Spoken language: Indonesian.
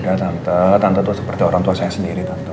udah tante tante tuh seperti orang tua saya sendiri tante